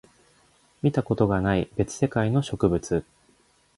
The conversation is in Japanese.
見たことがない別世界の植物